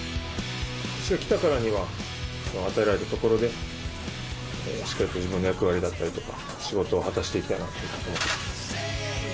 来たからには、与えられたところでしっかりと自分の役割だったりとか、仕事を果たしていきたいなと思ってます。